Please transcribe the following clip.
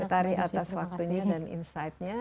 tari atas waktunya dan insightnya